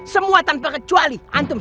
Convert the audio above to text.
semua tanpa kecuali antum